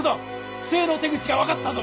不正の手口が分かったぞ！